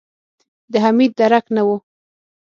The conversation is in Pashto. د حميد درک نه و.